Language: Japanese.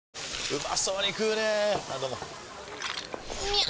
うまそうに食うねぇあどうもみゃう！！